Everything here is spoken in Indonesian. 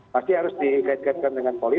pasti harus dikaitkan dengan politik